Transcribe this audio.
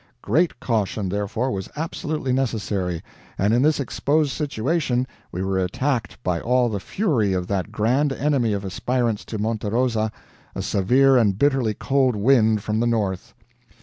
"Great caution, therefore, was absolutely necessary, and in this exposed situation we were attacked by all the fury of that grand enemy of aspirants to Monte Rosa a severe and bitterly cold wind from the north.